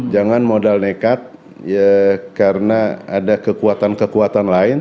jangan modal nekat karena ada kekuatan kekuatan lain